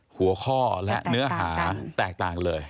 หัวข้อและเนื้อหาแตกต่างเลย